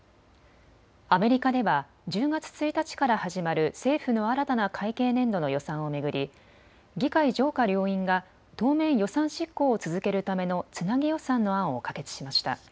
アメリカでは、１０月１日から始まる政府の新たな会計年度の予算を巡り議会上下両院が当面、予算執行を続けるためのつなぎ予算の案を可決しました。